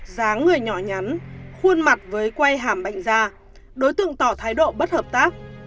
giáng người nhỏ nhắn khuôn mặt với quay hàm bệnh gia đối tượng tỏ thái độ bất hợp tác